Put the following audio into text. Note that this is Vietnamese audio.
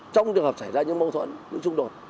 trong trường hợp xảy ra những mâu thuẫn những xung đột